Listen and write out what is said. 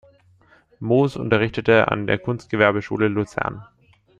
Moos unterrichtete an der Kunstgewerbeschule Luzern.